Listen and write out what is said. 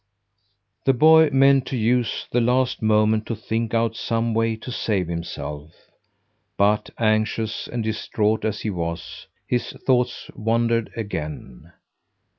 The boy meant to use the last moment to think out some way to save himself, but, anxious and distraught as he was, his thoughts wandered again.